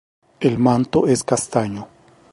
El manto es castaño.